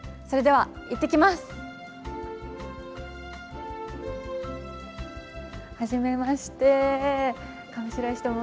それでは行ってきます。